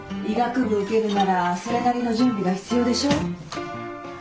医学部受けるならそれなりの準備が必要でしょ。